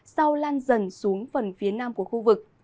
sau lan dần xuống phần phía nam của khu vực